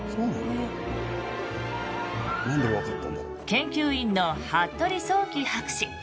研究員の服部創紀博士。